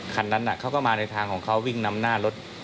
คันนั้นเขาก็มาในทางของเขาวิ่งนำหน้ารถ